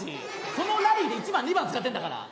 そのラリーで１番２番使ってんだから！